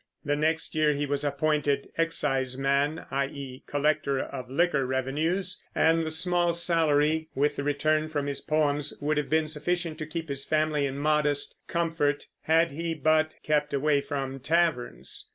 The next year he was appointed exciseman, i.e. collector of liquor revenues, and the small salary, with the return from his poems, would have been sufficient to keep his family in modest comfort, had he but kept away from taverns.